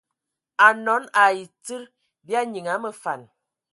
Anɔn ai tsid bya nyiŋ a məfan.